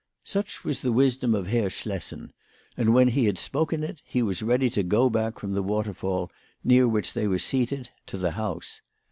Such was the wisdom of Herr Schlessen ; and when he had spoken it he was ready to go back from the waterfall, near which they were seated, to the house.